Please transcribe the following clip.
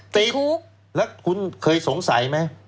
ติดคุกแล้วคุณเคยสงสัยไหม